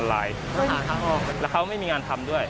หลายทะนาน